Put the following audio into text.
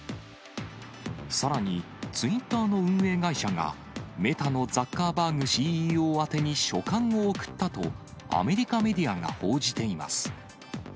さらに、ツイッターの運営会社が、メタのザッカーバーグＣＥＯ宛てに書簡を送ったと、アメリカメディアが報じています。